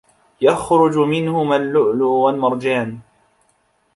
يَخرُجُ مِنهُمَا اللُّؤلُؤُ وَالمَرجانُ